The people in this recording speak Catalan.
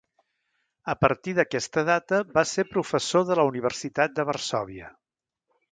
A partir d'aquesta data va ser professor de la universitat de Varsòvia.